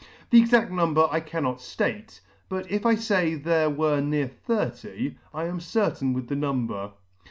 The exad number I cannot ftate ; but if I fay they were near thirty, I am certainly within the number.